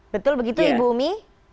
betul begitu ibu umi